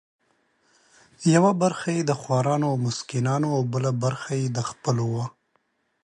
یوه برخه یې د خورانو او مسکینانو او بله برخه د خپلو وه.